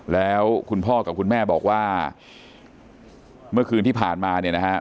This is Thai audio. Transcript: แล้วคุณพ่อกับคุณแม่บอกว่าเมื่อคืนที่ผ่านมาเนี่ยนะฮะ